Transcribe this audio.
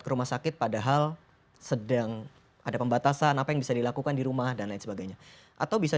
ke rumah sakit padahal sedang ada pembatasan apa yang bisa dilakukan di rumah dan lain sebagainya atau bisa